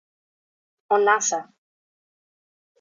o nasa!